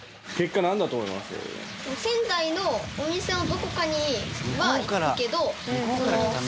仙台のお店のどこかには行くけど。